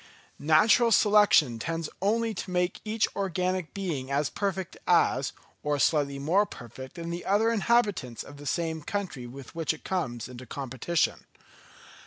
Natural selection tends only to make each organic being as perfect as, or slightly more perfect than the other inhabitants of the same country with which it comes into competition.